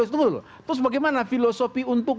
terus bagaimana filosofi untuk